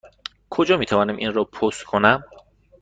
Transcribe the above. کجا می توانم این را پست کنم؟